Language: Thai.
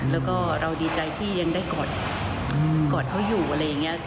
แล้วก็เราดีใจที่ยังได้กอดเขาอยู่อะไรอย่างนี้